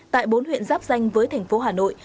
tại bốn huyện giáp danh với thành phố hà nội